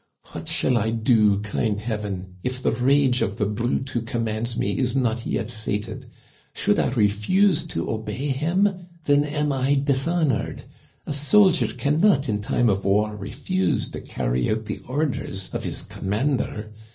What shall I do, kind Heaven, if the rage of the brute who commands me is not yet sated ? Should I refuse to obey him ? Then am I dishonored. A soldier can not in time of war refuse to carry out the orders of his commander.